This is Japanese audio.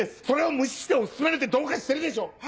それを無視して推し進めるってどうかしてるでしょ！